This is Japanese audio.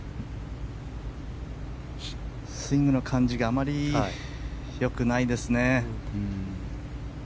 スイングの感じがあまり良くないですね。